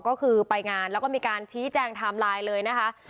ก็คือไปงานแล้วก็มีการชี้แจงไทม์ไลน์เลยนะคะ